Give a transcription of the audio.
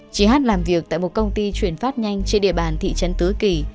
chị hát làm việc tại một công ty chuyển phát nhanh trên địa bàn thị trấn tứ kỳ